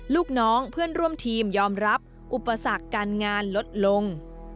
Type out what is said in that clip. ลูกน้องเพื่อนร่วมทีมยอมรับอุปสรรคการงานลดลง